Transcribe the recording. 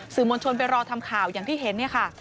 สื่อมวลชนไปรอทำข่าวอย่างที่เห็น